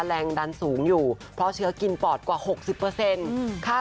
แรงดันสูงอยู่เพราะเชื้อกินปอดกว่า๖๐ค่ะ